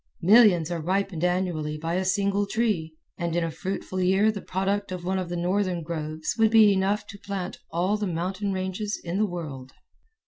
Millions are ripened annually by a single tree, and in a fruitful year the product of one of the northern groves would be enough to plant all the mountain ranges in the world.